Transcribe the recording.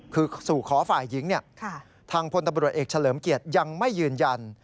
คือสู่ขอฝ่ายหญิงทางพลตำรวจเอกเฉลิมเกียรติยังไม่ยืนยัน